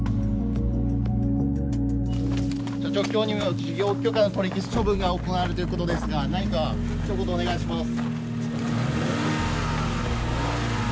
社長今日にも事業許可の取り消し処分が行われるということですが何かひと言お願いします。